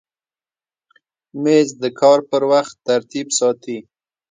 مېز د کار پر وخت ترتیب ساتي.